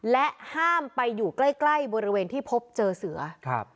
และห้ามไปอยู่ใกล้ใกล้บริเวณที่พบเจอเสือครับ